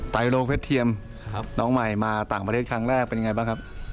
ไฮโลเพชรเทียมน้องใหม่มาต่างประเทศครั้งแรกเป็นยังไงบ้างครับ